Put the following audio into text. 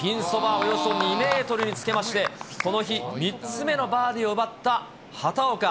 およそ２メートルにつけまして、この日、３つ目のバーディーを奪った畑岡。